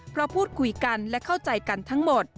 เพราะพูดคุยกันและเข้าใจกันทั้งหมด